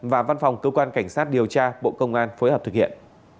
và văn phòng cơ quan cảnh sát điều tra bộ công an phối hợp thực hiện